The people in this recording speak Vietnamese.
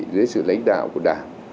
với sự lãnh đạo của đảng